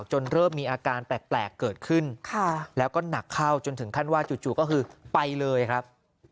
เริ่มมีอาการแปลกเกิดขึ้นแล้วก็หนักเข้าจนถึงขั้นว่าจู่ก็คือไปเลยครับ